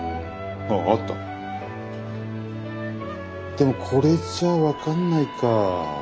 でもこれじゃ分かんないか。